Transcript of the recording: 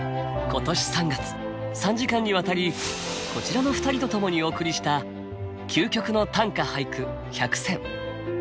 今年３月３時間にわたりこちらの２人と共にお送りした「究極の短歌・俳句１００選」。